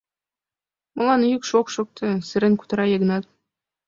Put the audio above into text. Молан йӱкшӧ ок шокто? — сырен кутыра Йыгнат.